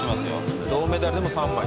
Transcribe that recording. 銅メダルでも３枚。